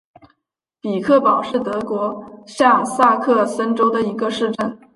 比克堡是德国下萨克森州的一个市镇。